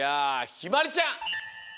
ひまりちゃん